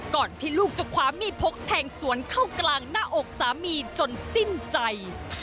ที่ลูกจะคว้ามีดพกแทงสวนเข้ากลางหน้าอกสามีจนสิ้นใจ